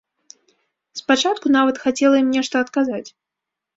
Спачатку нават хацела ім нешта адказаць.